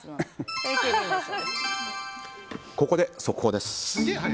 ここで速報です。